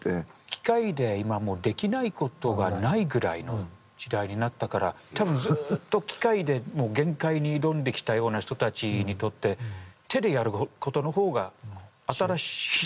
機械で今できないことがないぐらいの時代になったから多分ずっと機械で限界に挑んできたような人たちにとって手でやることのほうが新しいっていうか。